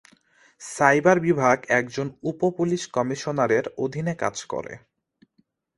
Cyber বিভাগ একজন উপ পুলিশ কমিশনারের অধীনে কাজ করে।